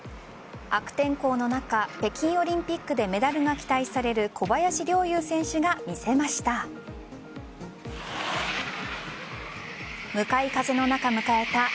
悪天候の中、北京オリンピックでメダルが期待される小林陵侑選手が見せました。